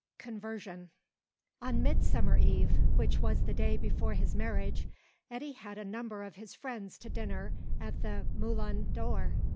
CONVERSION. On Midsummer Eve, which was the day before his marriage, Eddy had a number of his friends to dinner at the Moulin d'Or.